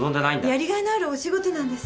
やりがいのあるお仕事なんです。